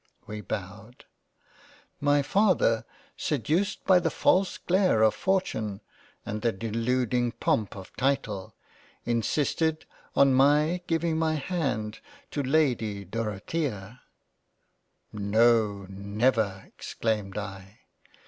We bowed. " My Fath seduced by the false glare of Fortune and the Deluding Pom of Title, insisted on my giving my hand to Lady Doroth No never exclaimed I.